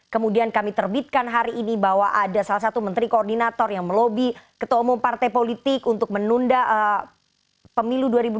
kemudian kami terbitkan hari ini bahwa ada salah satu menteri koordinator yang melobi ketua umum partai politik untuk menunda pemilu dua ribu dua puluh